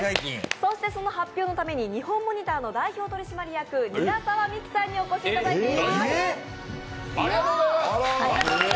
そしてその発表のためにニホンモニターの代表取締役、韮澤美樹さんにお越しいただいております。